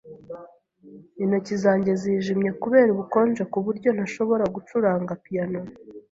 Intoki zanjye zijimye kubera ubukonje kuburyo ntashobora gucuranga piyano.